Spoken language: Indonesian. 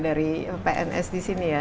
dari pns di sini ya